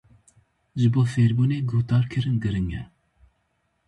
Ji bo fêrbûnê guhdarkirin giring e.